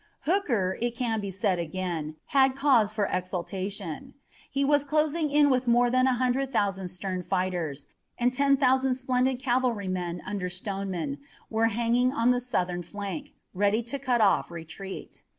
Hooker, it can be said again, had cause for exultation. He was closing in with more than a hundred thousand stern fighters, and ten thousand splendid cavalrymen under Stoneman were hanging on the Southern flank, ready to cut off retreat.